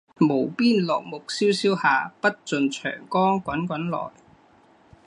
无边落木萧萧下，不尽长江滚滚来